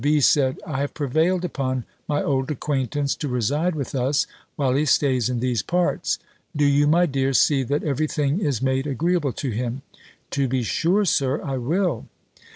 B. said, "I have prevailed upon my old acquaintance to reside with us, while he stays in these parts. Do you, my dear, see that every thing is made agreeable to him." "To be sure, Sir, I will."